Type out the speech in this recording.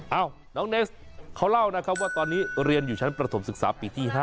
เอ้าน้องเนสเขาเล่านะครับว่าตอนนี้เรียนอยู่ชั้นประถมศึกษาปีที่๕